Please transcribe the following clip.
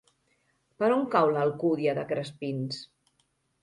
Per on cau l'Alcúdia de Crespins?